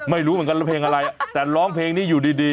ไม่รู้เหมือนกันแล้วเพลงอะไรแต่ร้องเพลงนี้อยู่ดี